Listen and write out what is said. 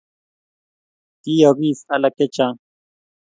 Kiyookis alak chechang